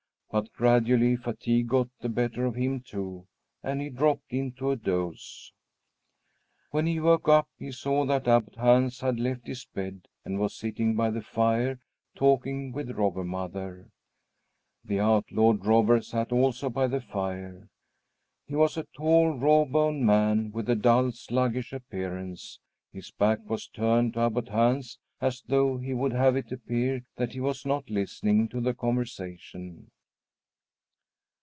But gradually fatigue got the better of him, too, and he dropped into a doze. When he woke up, he saw that Abbot Hans had left his bed and was sitting by the fire talking with Robber Mother. The outlawed robber sat also by the fire. He was a tall, raw boned man with a dull, sluggish appearance. His back was turned to Abbot Hans, as though he would have it appear that he was not listening to the conversation.